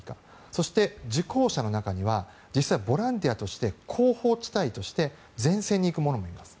そして受講者の中には実際ボランティアとして後方地帯として前線に行く者もいます。